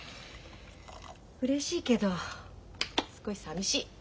うれしいけど少しさみしい。